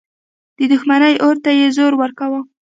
د دښمني اور ته یې زور ورکاوه.